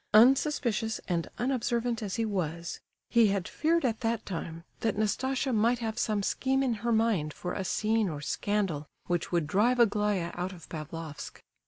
Unsuspicious and unobservant as he was, he had feared at that time that Nastasia might have some scheme in her mind for a scene or scandal which would drive Aglaya out of Pavlofsk.